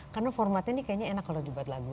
karena formatnya ini kayaknya enak kalau dibuat lagu